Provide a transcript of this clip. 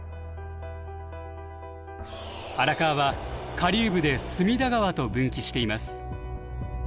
荒川は下流部で隅田川と分岐しています。